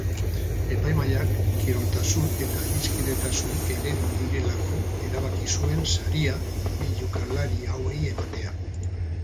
Epaimahaiak kiroltasun eta adiskidetasun eredu direlako erabaki zuen saria bi jokalari hauei ematea.